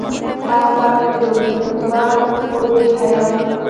هک پک ودریده په دوه وو کې حیران شو.